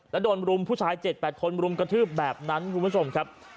แล้วโดนรุมผู้ชาย๗๘คนรุมกระทืบแบบนั้นคุณผู้ชมครับ